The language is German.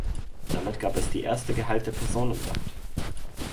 Damit gab es die erste geheilte Person im Land.